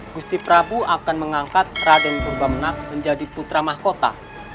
gusti prabu akan mengangkat raden purbamenak menjadi putra mahkota